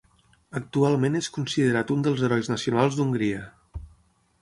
Actualment és considerat un dels herois nacionals d'Hongria.